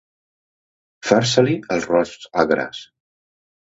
Fer-se-li els rots agres.